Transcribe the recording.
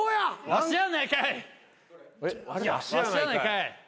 「わしやないかい」